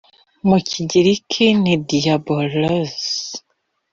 Mu Kigiriki Ni Diabolos